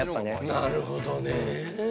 なるほどねえ。